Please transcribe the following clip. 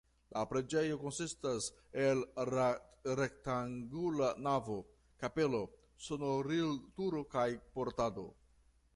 La preĝejo konsistas el rektangula navo, kapelo, sonorilturo kaj portalo.